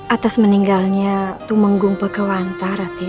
atas meninggalnya tumenggung pegawanta ratin